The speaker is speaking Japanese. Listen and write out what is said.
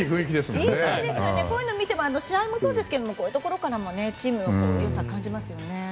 こういうのを見ても試合もそうですけどもこういうところからもチームの良さを感じますね。